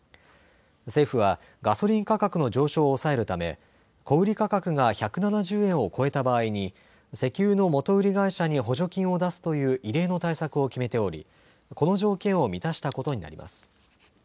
政府はガソリン価格の上昇を抑えるため小売価格が１７０円を超えた場合に石油の元売り会社に補助金を出すという異例の対策を決めており、この条件を満たしたことになります。